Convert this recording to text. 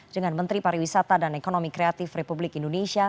dengan menteri pariwisata dan ekonomi kreatif republik indonesia